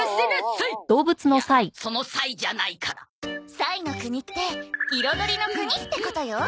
彩の国って彩りの国ってことよ。